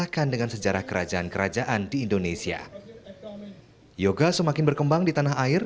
bahkan dengan sejarah kerajaan kerajaan di indonesia yoga semakin berkembang di tanah air